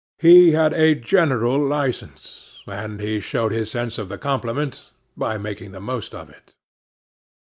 He had a general licence, and he showed his sense of the compliment by making the most of it.